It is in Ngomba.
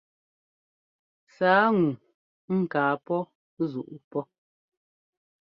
Sǎa ŋu ŋkaa pɔ́ zuʼu pɔ́.